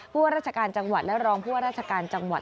ว่าราชการจังหวัดและรองผู้ว่าราชการจังหวัด